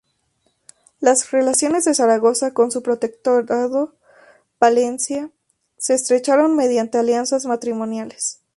Las relaciones de Zaragoza con su protectorado, Valencia, se estrecharon mediante alianzas matrimoniales.